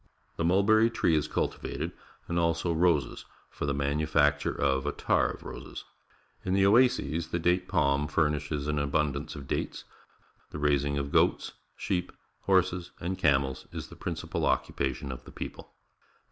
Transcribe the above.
The mulberry tree is cultivated, and also roses for the manufacture of attar of roses. In the oases the date palm fur Mi Arab Scout with his Arabian Horse nishes an abundance of dates. The rais ing of goats, sheep, horses, and camels is the principal occupation of the people.